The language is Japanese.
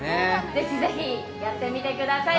ぜひぜひやってみてください。